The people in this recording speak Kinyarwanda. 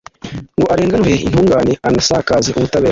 ngo arenganure intungane, anasakaze ubutabera